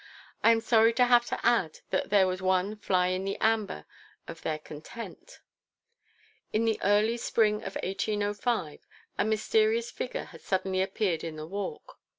I am sorry to have to add that there was one fly in the amber of their content. In the early spring of 1805 a mysterious figure had suddenly appeared in the Walk.